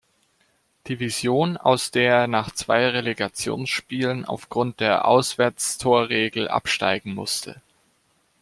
Division, aus der er nach zwei Relegationsspielen aufgrund der Auswärtstorregel absteigen musste.